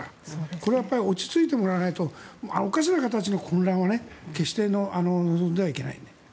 これは落ち着いてもらわないとおかしな形の混乱は決して望んではいけない。